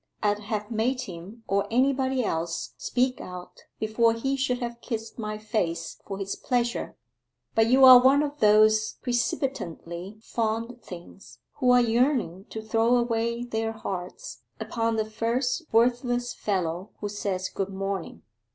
I'd have made him or anybody else speak out before he should have kissed my face for his pleasure. But you are one of those precipitantly fond things who are yearning to throw away their hearts upon the first worthless fellow who says good morning.